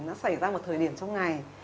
nó xảy ra một thời điểm trong ngày